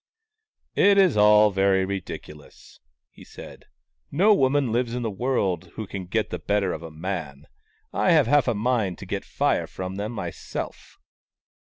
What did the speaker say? " It is all very ridiculous," he said. " No woman lives in the world who can get the better of a man. I have half a mind to get Fire from them myself."